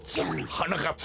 はなかっぱよ